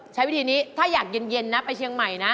ใช้วิธีนี้ถ้าอยากเย็นนะไปเชียงใหม่นะ